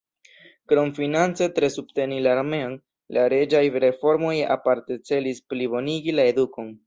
Krom finance tre subteni la armeon, la reĝaj reformoj aparte celis plibonigi la edukon.